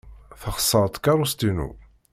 Texṣer tkeṛṛust-inu.